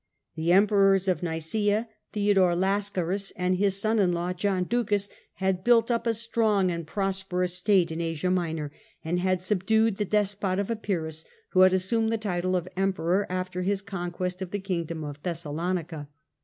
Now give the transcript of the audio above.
The Emperors of Nicsea, Theodore Lascaris and his son in law John Ducas, had built up a strong and prosperous state in Asia Minor, and had subdued the ^^^^^^^ despot of Epirus, who had assumed the title of Emperor John 111., after his conquest of the kingdom of Thessalonica.